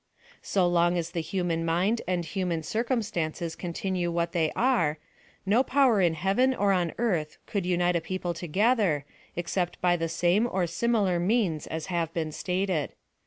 S: long as the human mind and human circum stances continue what they are, no power in heaven or on earth could rnite a people together, except by PLAN OP SALVATION. 55 the same or similar means as have been stated.